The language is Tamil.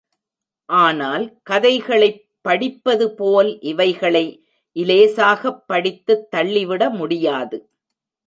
ஆனால், கதைகளைப் படிப்பதுபோல் இவைகளை இலேசாகப் படித்துத் தள்ளிவிட முடியாது.